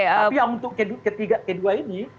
tapi yang untuk ketiga kedua ini